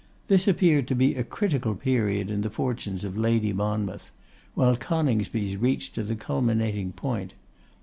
This appeared to be a critical period in the fortunes of Lady Monmouth; while Coningsby's reached to the culminating point.